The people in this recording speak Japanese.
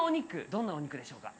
どんなお肉でしょうか？